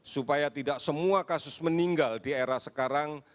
supaya tidak semua kasus meninggal di era sekarang